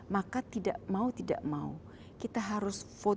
maka tidak mau tidak mau kita harus vote yes